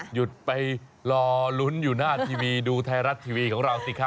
หยุดไปรอลุ้นอยู่หน้าทีวีดูไทยรัฐทีวีของเราสิครับ